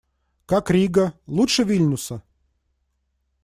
Как Рига? Лучше Вильнюса?